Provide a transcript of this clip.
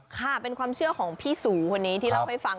ค่ะเป็นความเชื่อของพี่สูคนนี้ที่เล่าให้ฟัง